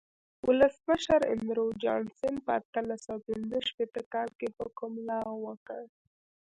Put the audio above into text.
ولسمشر اندرو جانسن په اتلس سوه پنځه شپېته کال کې حکم لغوه کړ.